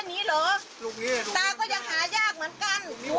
เมื่อวานนี้มันไม่ถูก